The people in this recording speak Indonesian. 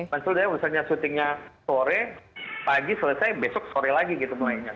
maksudnya misalnya syutingnya sore pagi selesai besok sore lagi gitu mulainya